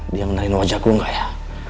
dia menaikan wajahku gak ya